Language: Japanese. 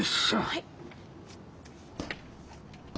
はい。